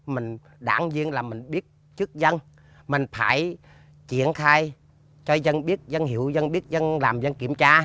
mình đảng viên là mình biết trước dân mình phải triển khai cho dân biết dân hiểu dân biết dân làm dân kiểm tra